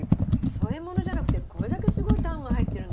添え物じゃなくてこれだけすごいタンが入ってる。